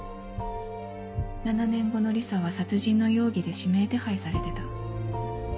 ７年後のリサは殺人の容疑で指名手配されてた。